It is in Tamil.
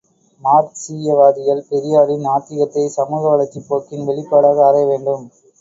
மார்க்சீயவாதிகள் பெரியாரின் நாத்திகத்தை, சமூக வளர்ச்சிப் போக்கின் வெளிப்பாடாக ஆராய வேண்டும்.